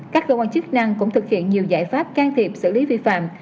các cơ quan chức năng cũng thực hiện nhiều giải pháp can thiệp xử lý vi phạm